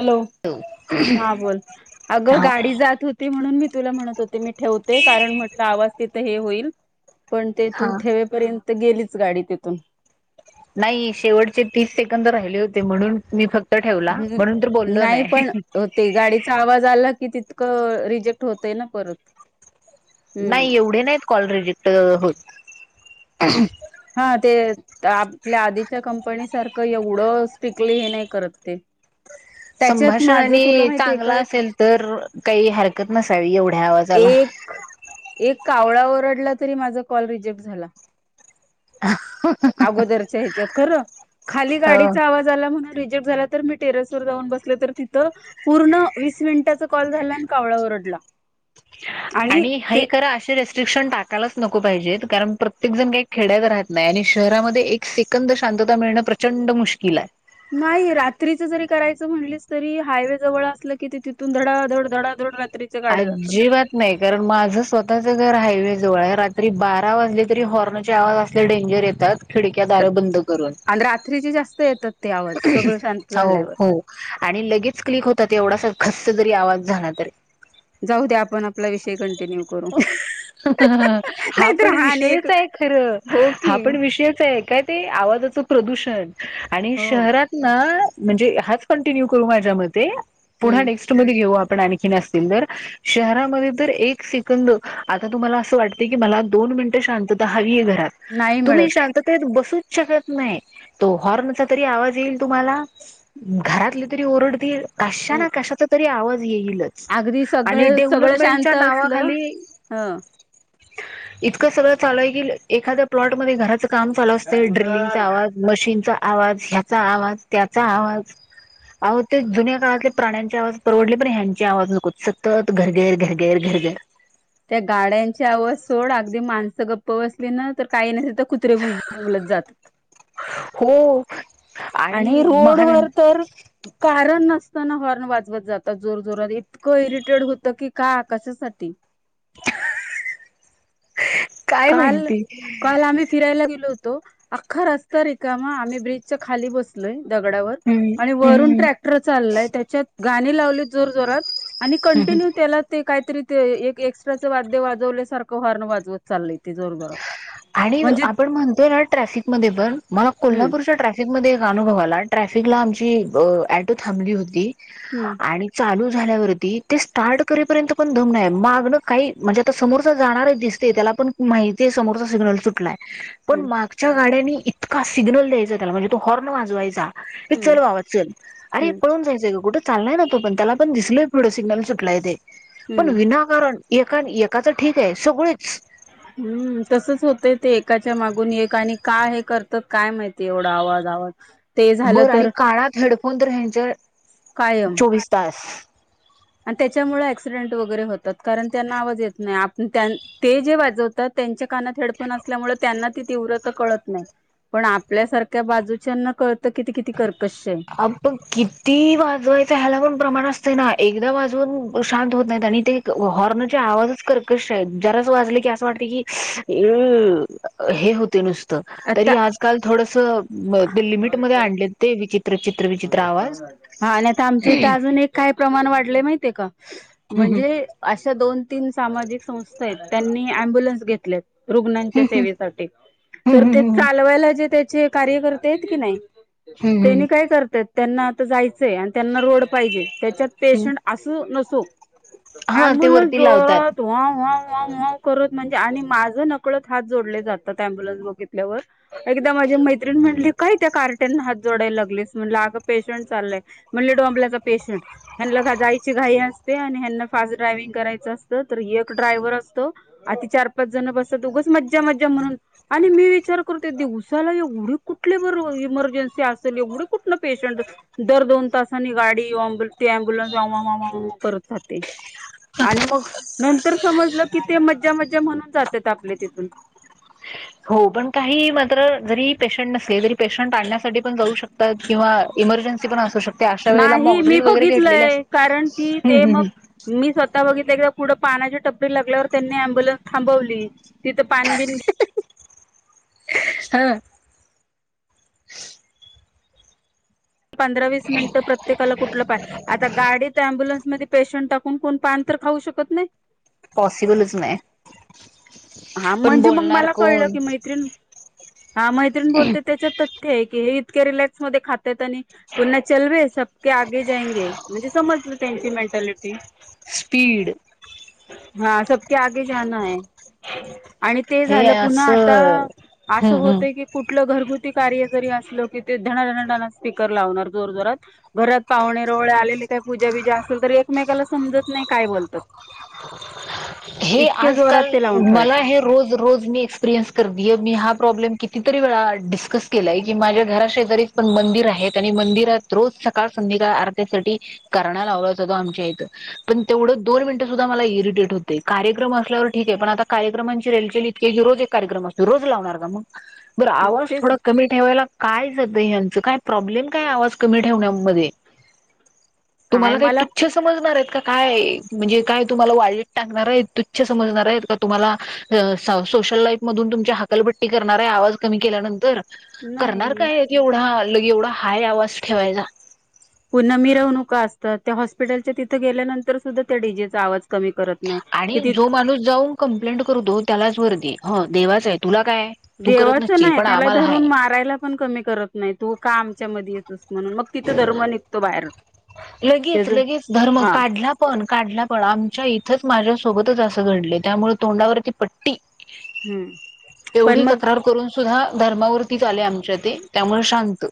Hello हा बोल अगं हा गाडी जात होती. म्हणून मी तुला म्हणत होते मी ठेवते कारण म्हटलं आवाज तिथं हे होईल. पण ते तू हा ठेवेपर्यंत गेलीच गाडी तिथून. नाही शेवटचे तीस सेकंद राहिले होते म्हणून मी फक्त. ठेवला म्हणून तर हम् बोललो नाही पण हो ते गाडीचा आवाज आला. की तितकं रिजेक्ट होतय ना परत. हम्म नाही एवढे नाहीत कॉल रिजेक्ट होत. हा ते आपल्या आधीच्या कंपनी सारखं एवढं पिकली हे नाही करत ते. ह. त्याच्यात संभाषण माझं तुला आणि माहितीय चांगलं का एक असेल तर काही हरकत नसावी एवढ्या आवाजाला. एक एक कावळा ओरडला तरी माझा कॉल रिजेक्ट झाला. ह. अगोदरच्या ह्याच्यात खरं खाली ह गाडीचा आवाज आला म्हण झा मी टेरस व जाऊन बसल तर तिथ पूर्ण वीस मिनिटाचा कॉल झाला आणि कावळावरडला. [unintelligible] आणि हेा करा असे र. टाकायलाच नको पाहिजेत कारण प्रत्येक जण काही खेड्यात राह नाही आणि शहरामध्ये एक सेकंद शत. शांतता मिळणं प्रचंड मुश्किल आहे. नाही रात्रीच जरी करायचं म्हणलीच तरी हायवे जवळ असलं की तिथून धडाधड धडाधड रात्रीच्या गाड्या जातात अजिबात नाही कारण माझं स्वतःच घर आहे. ज रात्री बारा वाजली तरी हॉर्नाचे आवाज असले डेंजर येतात. खिडक्या दारं बंद करून. आणि रात्रीचे जास्त येतात ते आवाज सगळं शांत हो झाल्यावर हो आणि लगेच क्लिक होत एवढा. जरी आवाज झाणार तरी. जाऊ द्या आपण आपला विषय कंटिन्यू करू. हा नाहीतर पण आणि एक विषयच आहे खरं हो हा की पण विषयच आहे काय. ते आवाजाचं प्रदूषण आणि हो शहरात ना. म्हणजे हाच कंटिन्यू करू माझ्या म पुढ्हा हम्म नेक्स्ट मध्ये घेऊ आपण आणखी नअसं. शहरामध्ये एक सेकंद आता तुम्हाला असं वाटत की मला दोन मिनट शांत. हवी घरात नाही तुम्ही मिळत शांततेत बसूच शकत नाही. तो हॉर्नचा तरी आवाज येईल तुम्हाला घरातली तरी ओरडतील काश्या हम्म ना काशाचा. आवाज येल अगदी सगळं सगळं शांत डेव्हलपमेंटच्या असलं नावाखाली. ह इतकं सगळं चालूय क एखाद्या प्लॉटमध्ये घरा काम चालू असते ड्रिलिंगचा आवाज मशीनचा आवाज ह्याचा आवाज त्याचा आवाज अह ते जुन्या काळातले प्राण्यांचे आवाज परवडले पण ह्यांची आवाज नकोते सत्य घर घर घर घर घर घर. त्या गाड्यांची आवज सोड अगदी माणसं गप्प बसली ना तर काही नाही तर कुत्रेलत जातात. हो आणि रोड वर तर कारण नसत. हॉर्न वाजवत जातात जोर जोरात इतकं इरिटेड होत की का आकाशासाठी काय काल माहिती काल आम्ही फिरायला गेलोत. तो अख्खा रस्ता र का म आम्ही ब्रिजच्या खाली बसलोय. दगडावर हम्म आणि वरून हम्म ट्रॅक्टर चाललाय त्याच्यात गाणी लावली जोर जोरात. आणि हम्म कंटिन्यू त्याला ते काहीतरी ते एक एक्स्ट्राच वाद्य वाजवल्यासारखं हॉर्न वाजवत चाललंय. ते जोर जोरात आणि म्हणजे आपण म्हणतोय ना ट्रॅफिक म पण मला हम्म कोल्हापूरच्या ट्रॅफिकमध्ये. अनुभव आलाय ट्रॅफिकला आमची ऑटो थांबली होती हम्म आणि चालू.. चालू झाल्यावरती ते स्टार्ट करूस तोपर्यंत दम नाही मागन काही म्हणजे आ समोर जाणार दिसतय. माहिती आहे समोरचा सिग्नल सुटलाय पण हम्म मागच्या गाडीणी इट तका सिग्ल द्यायचा त्या म्हणजे तो हॉर्न वाजवायचा. हे हम्म चलवावा चल अरे हम्म पळून जायच आहे का कुठं. चाललाय ना तो पण त्याला पण दिसल पिडो सिग्नल सुटलाय ते पण हम्म विनाकारण. एकाने एकाच ठीक आहे सगळेच. हम्म तसच होतंय ते एकाच्या मागून एक आणि का हे करतात काय माहितीय एवढा आवाज आवाज ते झालं बरं आणि तर कानात हेडफोन तर यांच्या कायम चोवीस तास आणि त्याच्यामुळे ऍक्सिडेंट वगैरे होतात कारण त्यांना आवाज येत नही आप त्यानं ते जे वाजवतात त्यांच्या कानात हेडफोन असल्यामुळे त्यांना ती तीव्रता कळत नाय. पण आपल्यासारख्या बाजूच्याना कळ अ पण किती वाजवायचं ह्याला पण प्रमाण असते नाय. एकदा वाजवून शांत होत नाहीत आणि ते हॉर्न आवाजच कर कर्कश्य आहेत. जरा अस वाजलं की असं वाटते की [unintelligible] अ हे होते नुस त तरी आता आजकाल थोडंसं म ते लिमिटमध्ये अन हा आणि आता आमचे इथ अजून एक काही प्रमाण वाढले माहितीये का? म्हणजे अशा दोन तीन सामाजिक संस्था आहेत. त्यांनी अम्बुलन्स घेतलेत. रुग्णांच्या सेवेसाठी तर ते चालवायला जे ते चे कार्य करते आहेत की नाहीत त्यांनी काय? त त्यांना आता जायचंय आणि त्यांना रोड पाहिजे त्याच्यात पेशंट असो नसो. हा ते एम्बुलेनस वरती लावतात जोरात [unintelligible] [unintelligible] करत म्हणजे आणि माझ नकळत हात जोडले जातात त्या ॲम्बुलन्स बघितल्यावर एकदा मा मैत्रण म्हणले काय त्या कार्ट्याना हात जोडायला लागलेस. म्हनल अगं पेशंट चालय म्हणले डोंबल्याचा पेशंट ह्यांना जायची घाई असते आणि ह्यांना फास्ट ड्रायव्हिंग करायच असत तर एक ड्रायव्हर असतो अती चार पाच जण बसत उगाच मज्जा मज्जा म्हणून आणि मी विचार करते दिवसाला एवढी कुठले बर इमर्जन्सी असेल एवढ कुठल पेशंट दर दोन तासांनी गाडी [unintelligible] ते अम्बुलन्स वा वा वा वा करत जाते. आणि मग नंतर समजलं की ते मज्जा मज्जा म्हणून जातात आपले तिथून. हो पण काही मात्र जरी पेशंट नसले तरी पेशंट आणण्यासाठी पण जाऊ शकतात. किंवा इमर्जन्सी पण असू शकते. अशा वेळेला नाही मी मॉकड्रिल वगैरे घेतलेले अस. बघितलंय कारण की हम्म ते हम्म मग हम्म मी स्वतः बघितलंय. पुढं पानाची टपरी लागल्यावर त्यांनी अम्बुलन्स थांबवली तिथं पान बिन हा. पंधरा वीस मिनिटं प्रत्येकाला कुठलं पाय आता गाडीत अम्बुन्समध्ये पेशंट कोण कोण पान तर खाऊ शकत नाही. पॉसिबलच नाही हा पण म्हणजे मग बोलणार मला कळलं कोण? की मैत्रीण हा मैत्रीण बोलते त्याच्या तथ्य आहे की हे इतक्या रिलॅक्स मध्ये खात्यात आणि पुन्हा चलबे स ते आगे जायेंगे म्हणजे समजलं त्यांची मेंटॅलिटी. स्पीड. हा! सबके आगे जाना हे. आणि ते हे झालं पुन्हा आता असं हम्म असं हम् होतय की कुठलं घरगु ती कार्य जरी असलं की ते धना धना ना स्पीकर लावणार जोर जोरात घरात पावने रावळे आलेले काय पूजा बीजा असेल तर एकमेकाला समजत नाही काय बोलतात. रिकामा ऑडिओ हे इतक्या जोरात आजकाल ते लावून मला ठेवायचं हे रोज रोज मी एक्सपिरियन्स करतीये मी हा प्रॉब्लेम कित किती तरी वेळा डिस्कस केलाय की माझ्या घरा शेजारी पण मंदिर आहे आणि मंदिरात रोज सकाळ संध्या एका अर्थी साठी कारण [unintelligible] लावलं आमच्या इथ पण तेवढ दोन मिनट सुद्धा मला इरिटेट होत. ते कार्यक्रम असल्यावर ठीक आहे पण आता कार्यक्रमांची रेलचेल इतके ही रोज एक कार्यक्रम असतो रोज लावणार का मग? बर! मग आवाज तेच थोड कमी ठेवायला काय जात ह्याचं काय प्रॉब्लेम काय आवाज कमी ठेव मध्ये काय तुम्हाला काही मला तुच्छ समजतात? काय? म्हणजे काय तुम्हाला वा टाकणार आहेत तुच्छ समजणार आहेत का तुम्हाला सा सोशल लाईफ मधून तुमची हाकलपट्टी करणार आ आवाज कमी केल्यानंतर. करणार नाही काय एवढा लगे एवढा हाय आवाज ठेवायला. पुन्हा मिरवणुका असतात त्या हॉस्पिटलच्या तिथे गेल्यानंतर सुद्धा त्या डीजेचा आवाज कमी करत नाही आणि किती जो माणूस जाऊन कंप्लेंट करतो त्यालाच वर्दी देवाच आहे तुला. काय तू करत देवाच नसशील नाही पण त्याला आम्हाला हाय धरून मारायला पण कमी करत नाही तू काम त्याच्या मध्ये येतो म्हणून मग तिथे धर्म निघतो बाहेर. लगेच त्याच लगेच धर्म हा काढला पण. काढला पण आमच्या इथंच माझ्यासोबतच असं घडले त्यामुळे तोंडावरती पट्टी. हम्म पण एवढी मग तक्रार करून सुद्धा धर्मावरतीच आले आमच्या ते त्यामुळे शांत.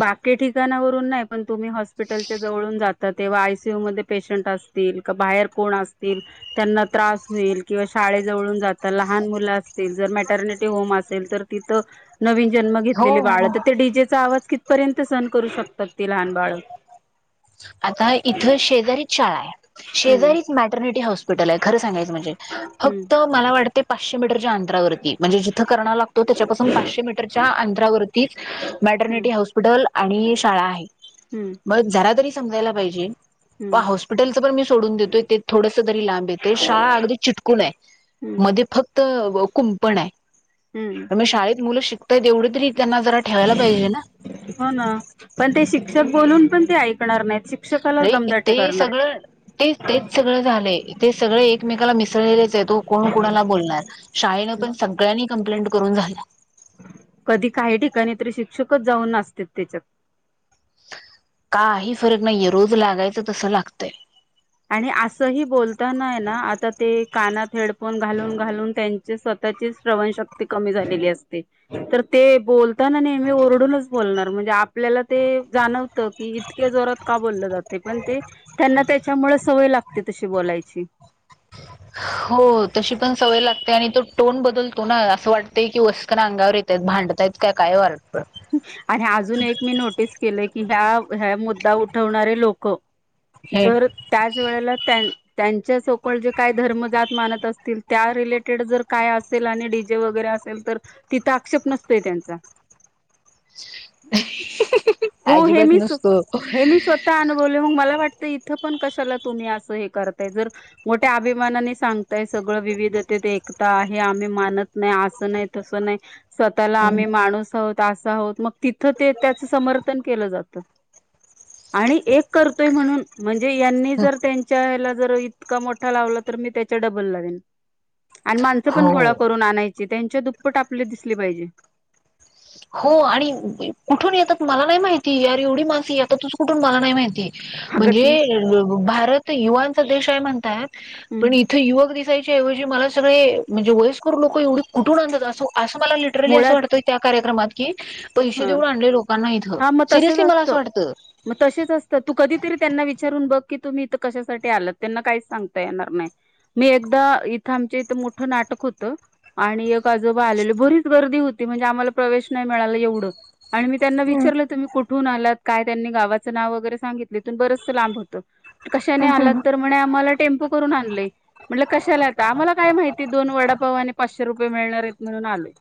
बाकी ठीक. दुकानावरून नाही पण तुम्ही हॉस्पिटलच्या जवळून जाता तेव्हा आय. सी. यू. मध्ये पेशंट असतील का बाहेर. कोन असतील त्यांना त्रास होईल किंवा शाळे जवळून जात लहान मुलं असतील. जर मार्टनिटी होम असेल तर तिथं नवीन - जन्म हो घेतलेले बाळ हो तर ते डी. जे. चा आवाज किती पर्यंत सहन करू शकतात ते लहान बाळ. आता इथं शेजारीच शाळा आहे. हम्म शेजारीच मॅटर्निटी हाऊस- पटायला लागलं आहे खरंच सांगायच म्हणजे हम्म फक्त मला वाटते पाचशे मीटर. अंतरावरती म्हणजे जिथे करणा लागतो. त्याच्यापासून पाचशे मीटरच्या अंतरावरती हम्म मॅटरनिटी हाऊस हॉस्पिटल आणि शाळा आहे. हम्म मग जरा तरी समजायला पाहिजे. पण हम्म हॉस्पिटलचं पण मी सोडून देतो. ते थोडस तरी लांब येते. शाळा अगदी चिटकून आहे. हम्म मध्ये फक्त कुंपण आहे. हम्म मगं शाळेत मुलं शिकताय एवढं तरी. त्यांना जरा ठेवायला पाहिजे ना. हो ना पण ते बोलून पण ते ऐकणार नाही. ते सगळ ते तेच सगळं झालं ते सगळ एकमेकाला मिस- ळच आहे तो कोण कोणाला बोलणार शाळेनं पण सगळ्यांनी कंप्लेंट करून झाल्या. कधी काही ठिकाणी तर शिक्षकच जाऊन नाचतेत त्याच्यात. काही फरक नाहीये. रोज लागायचं तसं लागतय. आणि असंही बोलताना ना आता ते कानात हेडफोन घालून घालून त्यांचे स्वत त्यांची श्रवण शक्ती कमी झालेली असते. तर ते बोलताना नेहमी ओरडूनच बोलणार म्हणजे आपल्या ते जाणवत की. इतके जोरता का बोल जात. च्यामुळे सवय लागते तशी बोलायची. हा. हो तशी पण सवय लागते आणि तो टोन बदलतो ना असं वाटते की वस्कन अंगावर येतय भांडतय. काय वार. आणि अजून एक मी नोटीस केलं की ह्या ह्या मुद्दा उठवणारे लोक. हे जर त्याच वेळेला त्या - त्यांच्या सोकोल्ड जे काय धर्म-जात मानत असतील. त्या रिलेटेड जर काय असेल आणि डी जे वगैरे असेल तर तिथं आक्षेप नसतय त्यांचा [inaudible] हो हे अजिबात मी नसतो हे मी स्वतः अनुभवले मग मला वाटत. इथ पण कशाला तुम्ही अस हे करताय जर मोठ्या अभिमानाने सांगताय सगळं विविध. एकता आहे. आम्ही मानत नाही. असं नाही तस नाही स्वतःला आम्ही माणूस. तास आहोत मग तिथं ते त्याचं समर्थन केलं जात. आणि एक करतोय म्हणून म्हजे णे यांनी जर त्यांच्या ह्याला जर इतका मोठा लावला तर, मी त्याच्या डबल लावेन. आणि माणसं पण गोळा हो करून आणायची त्यांच्या दुप्पट आपले दिसले पाहिजे. हो आणि कुठून येतात मला नाही माहिती यार एवढी मानसी आता तु कुठून मला नाही माहिती. अगं ती म्हणजे भारत युवचा देश आहे म्हणतात. पण इथे युवक. ऐवजी मला सगळे व्ययस्कर लोक एवढी कुठून आणतात. अस अस मला लिटरली अस मुळात वाटत. कार्यक्रात की पैसे ह देऊन आणले. लोकांना इथ हा मग तसच सिरियली मला असं असतं वाटतं. मग तसेच असतं तू कधीतरी त्यांना विचारून बघ. की तुम्ही इथं कशासाठी आल त्यांना काहीच सांगता येणार नाही. मी एकदा इथं आमच्या इथं मोठं नाटक होतं आणि जोबा आलेली बरीच गर्दी होती म्हणजे आम्हाला प्रवेश नाही मिळाला एवढं. आणि मी त्यांना विचारलं तु म्ही कुठ? कुठून आलात काय त्यांनी गावाचं नाव वगैरे सांगितलंतून बरच लांब होत. कशाने आला तर म्ह आम्हाला टेम्पो करून आणलेय म्हट कशाला आता आम्हाला काय माहिती दोन वडा वाने पाचशे रुपये मिळणार आहेत म्हणून आलोय.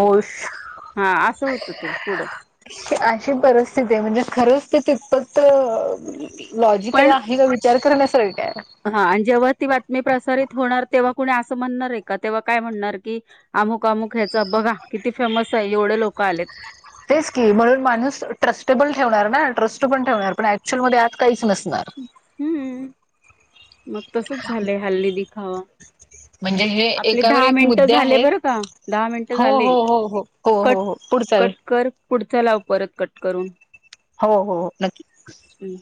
ऊष हा असं होतं ते पुढं अशी परिस्थिती आहे म्हणजे खरच. ते तितपत पण लॉजिकल आहे विचार कर. हा आणि जेव्हा ती बातमी प्रसारित होणार तेव्हा कुणी असं म्हणणार आहे का तेव्हा काय म्हणणार की अमुक अमुक ह्याच बघा. फेमस आहे एवढे लोक आलेत. तेच की म्हणून माणूस ट्रस्टेबल ठेवणार ना ट्रस्ट पण ठेवणार पण ऍक्च्युअल मध्ये आत काहीच नसत. बर. हम्म. मग तसच झालंय हल्ली दिखावा म्हणजे हे आपले एकावर दहा एक मिनिट मुद्दे झाले आहेत बरं का दहा मिनट हो झाले हो हो हो हो कट. हो हो पुढचा वेळ कट कर पुढचा लाव परत कट करून हो हो हो नक्की. हम्म.